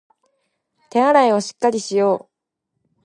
手洗いをしっかりしよう